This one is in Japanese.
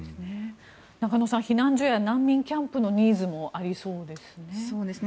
中野さん避難所や難民キャンプのニーズもありそうですね。